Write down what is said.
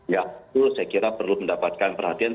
ya itu saya kira perlu mendapatkan perhatian